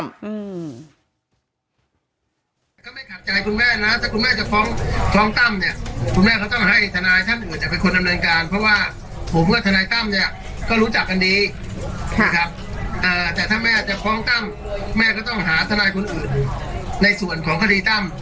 ก็ไม่ขัดใจคุณแม่นะถ้าคุณแม่จะฟ้องฟ้องตั้มเนี่ยคุณแม่ก็ต้องให้ทนายท่านหนึ่งจะเป็นคนดำเนินการเพราะว่าผมกับทนายตั้มเนี่ยก็รู้จักกันดีนะครับแต่ถ้าแม่จะฟ้องตั้มแม่ก็ต้องหาทนายคนอื่นในส่วนของคดีตั้ม